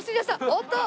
おっと！